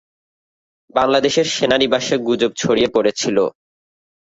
বাংলাদেশের সেনানিবাসে গুজব ছড়িয়ে পড়েছিল।